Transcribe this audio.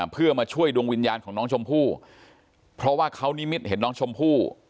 เพื่อมาช่วยดวงวิญญาณของน้องชมพู่เพราะว่าเขานิมิตเห็นน้องชมพู่